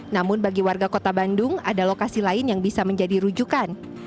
namun bagi warga kota bandung ada lokasi lain yang bisa menjadi rujukan